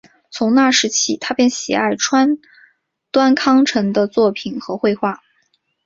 从那时起他便喜爱川端康成的作品和绘画。